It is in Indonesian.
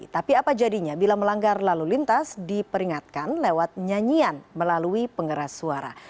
tapi apa jadinya bila melanggar lalu lintas diperingatkan lewat nyanyian melalui pengeras suara